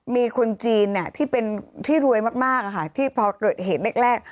มีคนจีนที่เป็นที่รวยมากที่พอเกิดเหตุแรก